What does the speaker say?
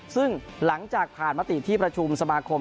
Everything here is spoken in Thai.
ซึ่งหลังจากผ่านมติที่ประชุมสมาคม